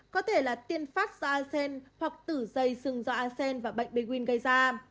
có thể là tiên phát do a sen hoặc tử dây sừng do a sen và bệnh b quin gây ra